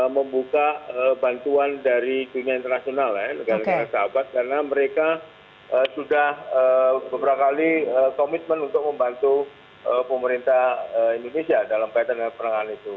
membuka bantuan dari dunia internasional ya negara negara sahabat karena mereka sudah beberapa kali komitmen untuk membantu pemerintah indonesia dalam kaitan dengan penanganan itu